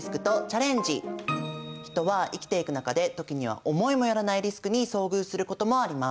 人は生きていく中で時には思いも寄らないリスクに遭遇することもあります。